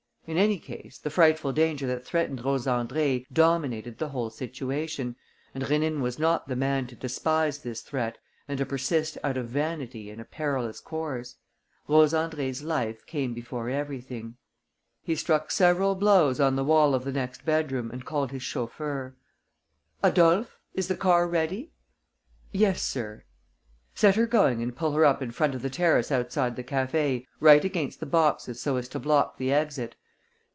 In any case, the frightful danger that threatened Rose Andrée dominated the whole situation; and Rénine was not the man to despise this threat and to persist out of vanity in a perilous course. Rose Andrée's life came before everything. He struck several blows on the wall of the next bedroom and called his chauffeur. "Adolphe, is the car ready?" "Yes, sir." "Set her going and pull her up in front of the terrace outside the café, right against the boxes so as to block the exit.